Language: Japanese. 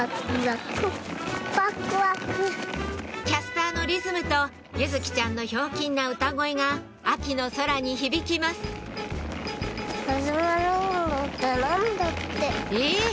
キャスターのリズムと柚來ちゃんのひょうきんな歌声が秋の空に響きますえぇ？